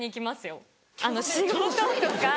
仕事とか。